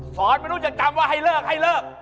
ฟอร์ตไม่รู้จะจำว่าให้เลิกให้เลิก